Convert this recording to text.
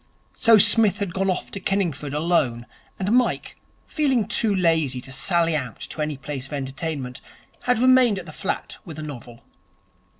So Psmith had gone off to Kenningford alone, and Mike, feeling too lazy to sally out to any place of entertainment, had remained at the flat with a novel.